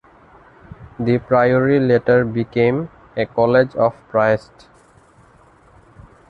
The priory later became a college of priests.